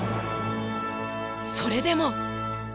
それでも。